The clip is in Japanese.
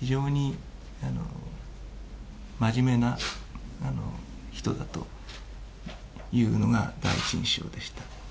非常にまじめな人だというのが第一印象でした。